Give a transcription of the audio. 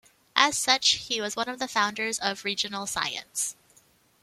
As such, he was one of the founders of regional science.